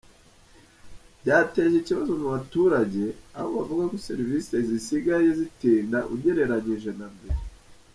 Byateje ikibazo mu Abaturage aho bavuga ko serivisi zisigaye zitinda ugereranyije na mbere.